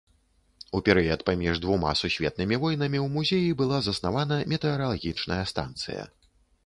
У перыяд паміж двума сусветнымі войнамі ў музеі была заснавана метэаралагічная станцыя.